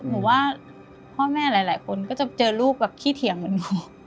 หนูว่าพ่อแม่หลายคนก็จะเจอลูกแบบขี้เถียงเหมือนหนู